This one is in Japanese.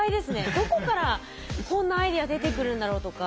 どこからこんなアイデア出てくるんだろうとか。